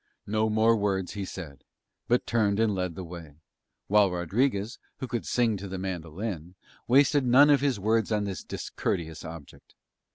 No more words he said, but turned and led the way; while Rodriguez, who could sing to the mandolin, wasted none of his words on this discourteous object.